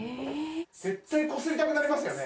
絶対こすりたくなりますよね？